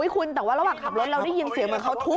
คุณแต่ว่าระหว่างขับรถเราได้ยินเสียงเหมือนเขาทุบ